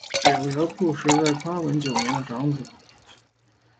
九条辅实在宽文九年的长子。